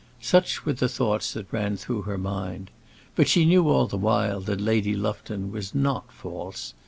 Such were the thoughts that ran through her mind. But she knew all the while that Lady Lufton was not false.